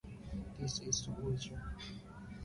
This is the origin of the bird's common name.